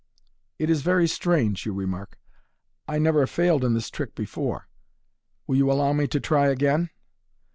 " It is very strange," you remark, u I never failed in this trick before. Will you allow me to try again